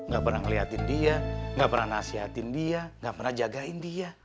gak pernah ngeliatin dia gak pernah nasihatin dia gak pernah jagain dia